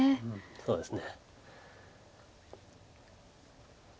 そうですね。